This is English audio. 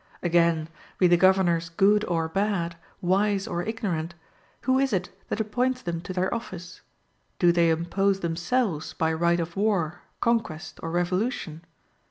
Again, be the governors good or bad, wise or ignorant, who is it that appoints them to their office? Do they impose themselves by right of war, conquest, or revolution?